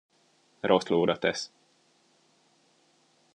Rossz lóra tesz.